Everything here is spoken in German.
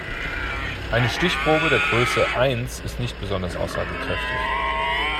Eine Stichprobe der Größe eins ist nicht besonders aussagekräftig.